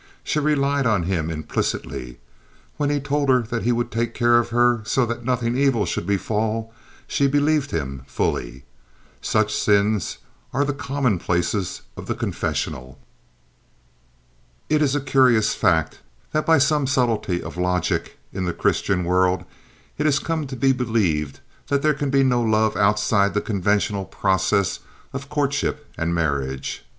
She relied on him implicitly. When he told her that he would take care of her so that nothing evil should befall, she believed him fully. Such sins are the commonplaces of the confessional. It is a curious fact that by some subtlety of logic in the Christian world, it has come to be believed that there can be no love outside the conventional process of courtship and marriage.